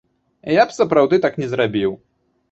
Я б сапраўды так не зрабіў.